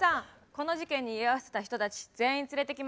この事件に居合わせた人たち全員連れてきました。